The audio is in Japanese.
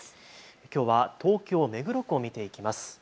きょうは東京目黒区を見ていきます。